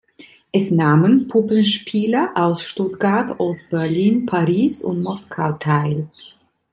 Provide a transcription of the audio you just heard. Es nahmen Puppenspieler aus Stuttgart, Ost-Berlin, Paris und Moskau teil.